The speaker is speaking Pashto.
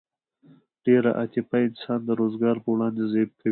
ډېره عاطفه انسان د روزګار په وړاندې ضعیف کوي